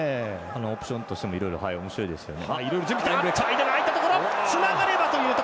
オプションとしてもおもしろいですよね。